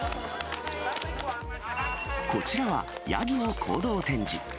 こちらは、ヤギの行動展示。